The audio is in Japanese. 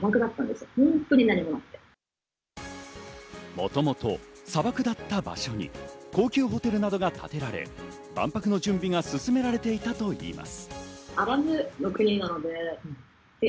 もともと砂漠だった場所に高級ホテルなどが建てられ、万博の準備が進められていたといいます。